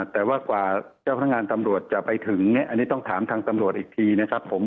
แต่ว่ากว่าเจ้าพนักงานตำรวจจะไปถึงอันนี้ต้องถามทางตำรวจอีกทีนะครับผม